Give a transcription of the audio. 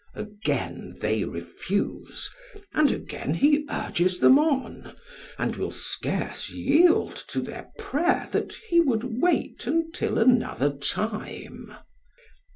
Again they refuse, and again he urges them on, and will scarce yield to their prayer that he would wait until another time.